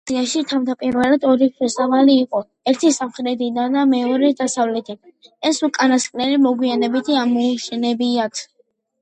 ეკლესიაში თავდაპირველად ორი შესასვლელი იყო, ერთი სამხრეთიდან და მეორე დასავლეთიდან, ეს უკანასკნელი მოგვიანებით ამოუშენებიათ.